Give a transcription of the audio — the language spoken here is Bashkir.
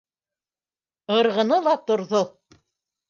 Ырғыны ла торҙо: